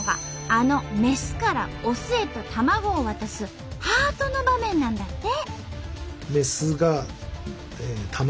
あのメスからオスへと卵を渡すハートの場面なんだって。